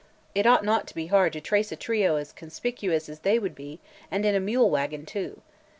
It ought not to be hard to trace a trio as conspicuous as they would be and in a mule wagon, too.